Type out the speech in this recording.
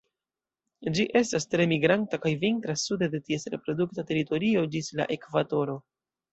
Ĝi estas tre migranta kaj vintras sude de ties reprodukta teritorio ĝis la ekvatoro.